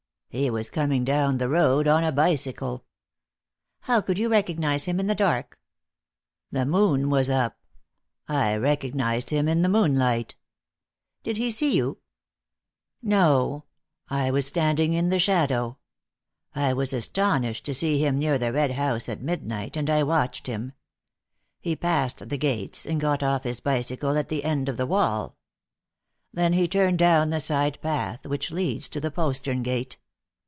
He was coming down the road on a bicycle." "How could you recognise him in the dark?" "The moon was up. I recognised him in the moonlight." "Did he see you?" "No; I was standing in the shadow. I was astonished to see him near the Red House at midnight, and I watched him. He passed the gates, and got off his bicycle at the end of the wall. Then he turned down the side path which leads to the postern gate.